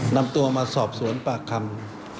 นำตัวมาสอบสวนปากคำ